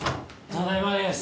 ・ただいまです。